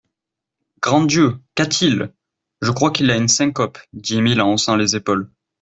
Grand Dieu ! qu'a-t-il ? Je crois qu'il a une syncope, dit Émile en haussant les épaules.